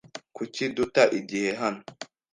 Kuki duta igihe hano?